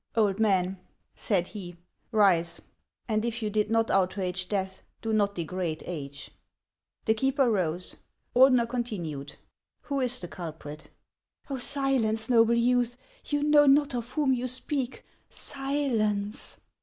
" Old man," said he, " rise ; and if you did not outrage death, do not degrade age." The keeper rose. Ordener continued :" Who is the culprit ?"" Oh, silence, noble youth ! You know not of whom you speak. Silence